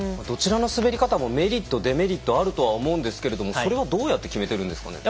どちらも滑り方もメリット、デメリットがあるかと思うんですけどそれはどうやって決めているんですか。